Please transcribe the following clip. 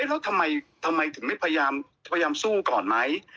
เอ๊ะแล้วทำไมทำไมถึงไม่พยายามพยายามสู้ก่อนไหม